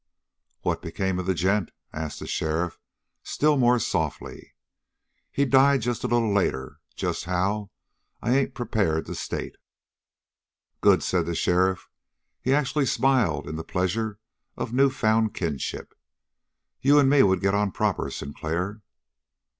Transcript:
"What became of the gent?" asked the sheriff still more softly. "He died just a little later. Just how I ain't prepared to state." "Good!" said the sheriff. He actually smiled in the pleasure of newfound kinship. "You and me would get on proper, Sinclair."